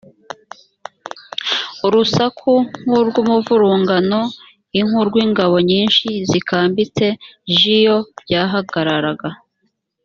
urusaku nk urw umuvurungano i nk urw ingabo nyinshi zikambitse j iyo byahagararaga